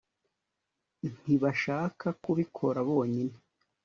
ntibashaka kubikora bonyine